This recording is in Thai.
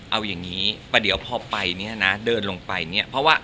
เอาอย่างนี้เดี๋ยวพอไปเนี่ยนะเดินลงไปเนี่ย